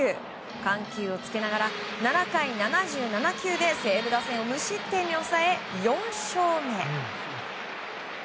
緩急をつけながら７回７７球で西武打線を無失点に抑え４勝目。